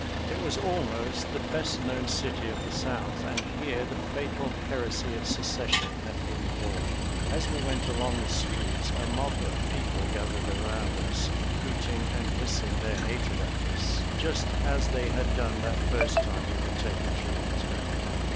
It was almost the best known city of the South and here the fatal heresy of secession had been born. As we went along the streets a mob of people gathered around us, hooting and hissing their hatred at us, just as they had done that first time we were taken through the town.